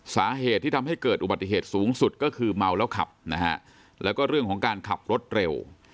สาเหตุที่ทำให้เกิดอุบัติเหตุสูงสุดก็คือเมาแล้วขับนะฮะแล้วก็เรื่องของการขับรถเร็ว